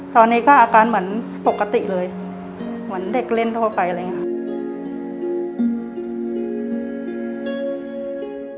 ตอนนี้ก็อาการเหมือนปกติเลยเหมือนเด็กเล่นทั่วไปอะไรอย่างนี้ค่ะ